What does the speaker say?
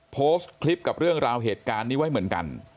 โพสต์คลิปกับเรื่องราวเหตุการณ์นี้ไว้เหมือนกัน